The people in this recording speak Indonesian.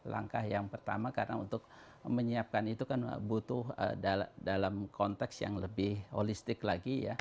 langkah yang pertama karena untuk menyiapkan itu kan butuh dalam konteks yang lebih holistik lagi ya